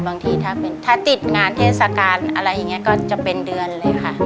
บางทีถ้าติดงานเทศกาลอะไรอย่างนี้ก็จะเป็นเดือนเลยค่ะ